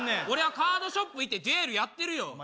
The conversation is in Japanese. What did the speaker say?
俺はカードショップ行ってデュエルやってるよ